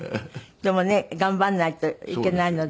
でもね頑張らないといけないので。